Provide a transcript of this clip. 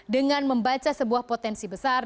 dengan membaca sebuah potensi besar